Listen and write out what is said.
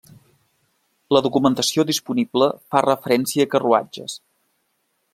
La documentació disponible fa referència a carruatges.